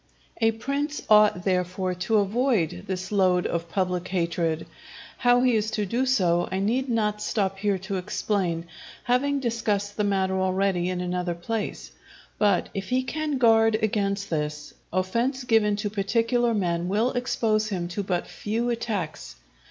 A prince ought, therefore, to avoid this load of public hatred. How he is to do so I need not stop here to explain, having discussed the matter already in another place; but if he can guard against this, offence given to particular men will expose him to but few attacks.